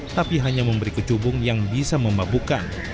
tapi hanya memberi kecubung yang bisa memabukan